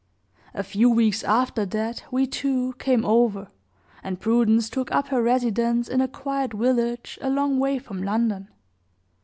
A few weeks after that we, too, came over, and Prudence took up her residence in a quiet village a long way from London.